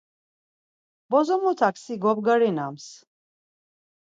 Bozomotak si gobgarinams.